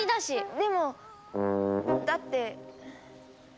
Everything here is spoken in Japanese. でも！だって。